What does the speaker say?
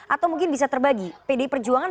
atau mungkin bisa terbagi pdi perjuangan